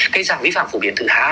cái dàng vi phạm phổ biến thứ hai